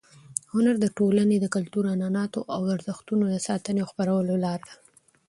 هنر د ټولنې د کلتور، عنعناتو او ارزښتونو د ساتنې او خپرولو لار ده.